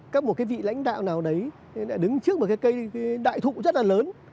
các một vị lãnh đạo nào đấy đã đứng trước một cây đại thụ rất là lớn